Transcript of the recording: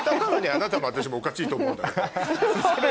あなたも私もおかしいと思うのよそれはね。